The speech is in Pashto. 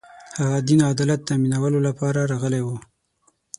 هغه دین عدالت تأمینولو لپاره راغلی و